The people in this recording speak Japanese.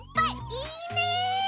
いいね。